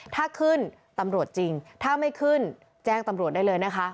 ถ้าขึ้นตำรวจจริงถ้าไม่ขึ้นแจ้งตำรวจได้เลยนะคะ